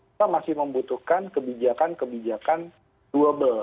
kita masih membutuhkan kebijakan kebijakan doable